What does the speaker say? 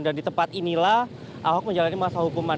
di tempat inilah ahok menjalani masa hukuman